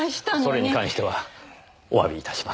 それに関してはお詫び致します。